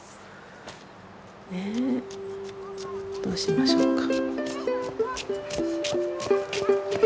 ねえどうしましょうか。